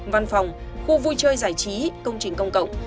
văn phòng khu vui chơi giải trí công trình công cộng